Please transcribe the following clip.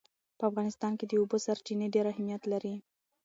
په افغانستان کې د اوبو سرچینې ډېر اهمیت لري.